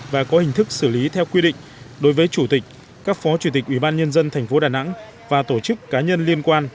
và có hình thức xử lý theo quy định đối với chủ tịch các phó chủ tịch ubnd tp đà nẵng và tổ chức cá nhân liên quan